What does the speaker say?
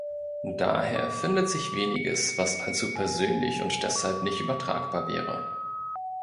Daher findet sich weniges, was allzu persönlich und deshalb nicht übertragbar wäre.